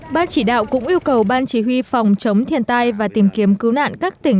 ban chỉ đạo cũng yêu cầu ban chỉ huy phòng chống thiên tai và tìm kiếm cứu nạn các tỉnh